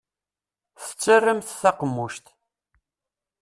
Tettarramt taqemmuct.